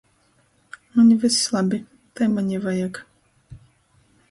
Maņ vyss labi... Tai maņ i vajag!...